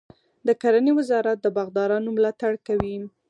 د کرنې وزارت د باغدارانو ملاتړ کوي.